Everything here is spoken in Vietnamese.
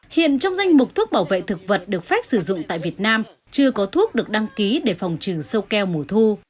hiện trong danh mục thuốc bảo vệ thực vật được phép sử dụng tại việt nam chưa có thuốc được đăng ký để phòng trừ sâu keo mùa thu